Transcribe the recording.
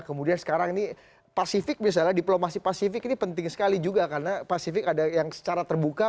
kemudian sekarang ini pasifik misalnya diplomasi pasifik ini penting sekali juga karena pasifik ada yang secara terbuka